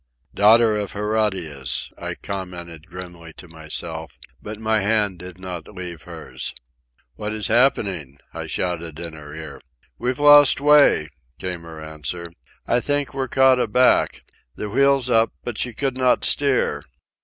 "Daughter of Herodias," I commented grimly to myself; but my hand did not leave hers. "What is happening?" I shouted in her ear. "We've lost way," came her answer. "I think we're caught aback! The wheel's up, but she could not steer!"